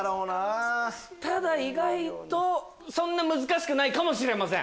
ただ意外と難しくないかもしれません。